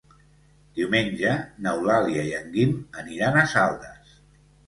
Diumenge n'Eulàlia i en Guim aniran a Saldes.